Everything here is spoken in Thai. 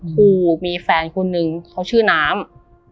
ครูมีแฟนคนนึงเขาชื่อน้ำ